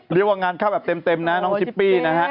เรียกว่างานเข้าแบบเต็มนะน้องชิปปี้นะฮะ